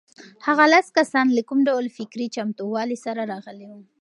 هغه لس کسان له کوم ډول فکري چمتووالي سره راغلي وو؟